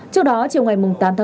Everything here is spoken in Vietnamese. trước đó chiều ngày tám tám